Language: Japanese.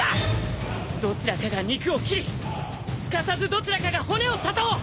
どちらかが肉を斬りすかさずどちらかが骨を断とう！